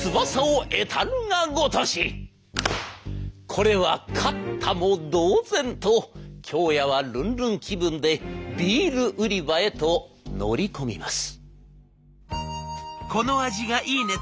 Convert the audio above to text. これは勝ったも同然と京谷はルンルン気分でビール売り場へと乗り込みます。